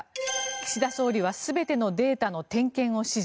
岸田総理は全てのデータの点検を指示。